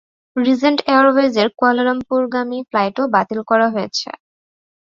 Regent এয়ারওয়েজের কুয়ালালামপুরগামী ফ্লাইটও বাতিল করা হয়েছে।